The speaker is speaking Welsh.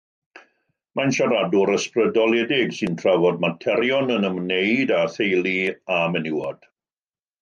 Mae'n siaradwr ysbrydoledig sy'n trafod materion yn ymwneud â theulu a menywod.